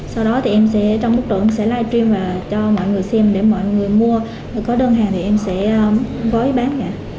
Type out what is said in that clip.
sau đó thì em sẽ trong bức trộn sẽ livestream và cho mọi người xem để mọi người mua có đơn hàng thì em sẽ gói bán